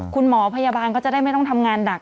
คุณหมอพยาบาลก็จะได้ไม่ต้องทำงานหนัก